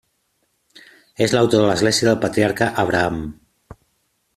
És l'autor de l'església del Patriarca Abraham.